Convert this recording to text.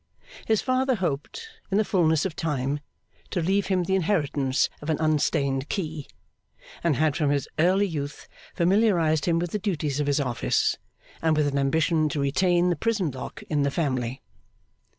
His father hoped, in the fulness of time, to leave him the inheritance of an unstained key; and had from his early youth familiarised him with the duties of his office, and with an ambition to retain the prison lock in the family.